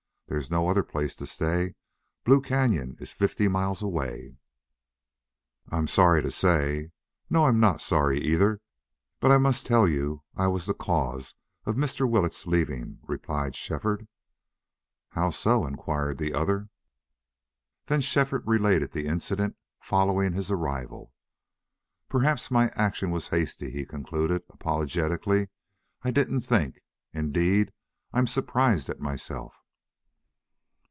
There's no other place to stay. Blue Cañon is fifty miles away." "I'm sorry to say no, I'm not sorry, either but I must tell you I was the cause of Mr. Willetts leaving," replied Shefford. "How so?" inquired the other. Then Shefford related the incident following his arrival. "Perhaps my action was hasty," he concluded, apologetically. "I didn't think. Indeed, I'm surprised at myself."